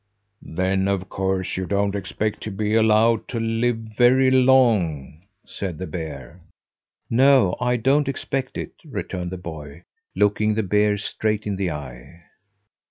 "Then of course you don't expect to be allowed to live very long?" said the bear. "No, I don't expect it," returned the boy, looking the bear straight in the eye.